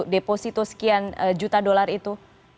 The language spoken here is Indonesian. deposito sekian juta dolar itu